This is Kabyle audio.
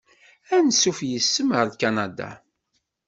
Ansuf yis-m ar Kanada!